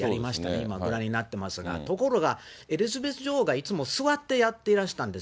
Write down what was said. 今、ご覧になっていますが、ところが、エリザベス女王はいつも座ってやっていらしたんです。